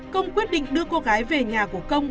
công quyết định đưa cô gái về nhà của công